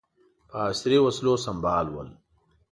په عصري وسلو سمبال ول.